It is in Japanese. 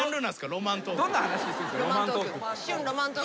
ロマントーク。